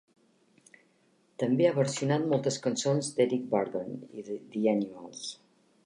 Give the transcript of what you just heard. També ha versionat moltes cançons d'Eric Burdon i The Animals.